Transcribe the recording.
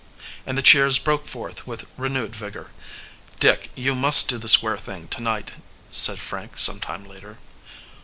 And the cheers broke forth with renewed vigor. "Dick, you must do the square thing tonight," said Frank some time later.